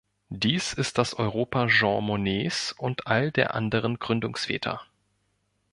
Dies ist das Europa Jean Monnets und all der anderen Gründungsväter.